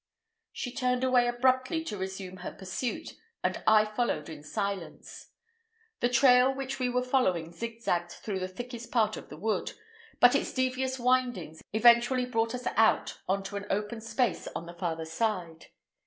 She turned away abruptly to resume her pursuit, and I followed in silence. The trail which we were following zigzagged through the thickest part of the wood, but its devious windings eventually brought us out on to an open space on the farther side.